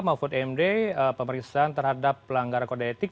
maupun imd pemeriksaan terhadap pelanggaran kode etik